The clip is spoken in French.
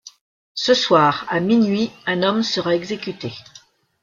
Ce soir, à minuit, un homme sera exécuté.